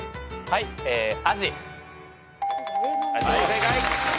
正解。